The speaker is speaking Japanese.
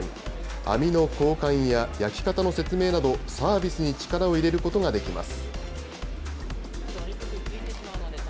網の交換や焼き方の説明など、サービスに力を入れることができます。